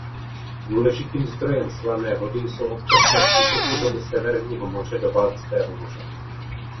Důležitým zdrojem slané vody jsou občasné přítoky vody Severního moře do Baltského moře.